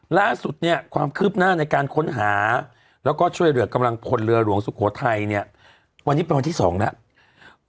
ล่าสุดเนี่ยความคืบหน้าในการค้นหาแล้วก็ช่วยเหลือกำลังพลเรือหลวงสุโขทัยเนี่ยวันนี้เป็นวันที่๒แล้ว